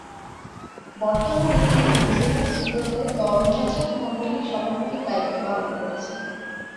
বর্তমানে তিনি নিউজিল্যান্ড ক্রিকেটে দল নির্বাচকমণ্ডলীর সভাপতির দায়িত্ব পালন করছেন।